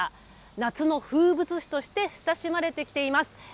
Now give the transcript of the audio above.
夏の風物詩として親しまれてきています。